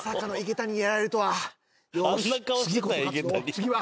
次は。